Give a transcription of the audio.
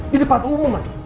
di depan umum lagi